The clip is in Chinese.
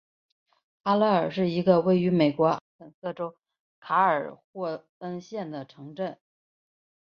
哈勒尔是一个位于美国阿肯色州卡尔霍恩县的城镇。